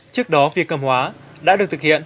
trước đó việc ngầm hóa đã được thực hiện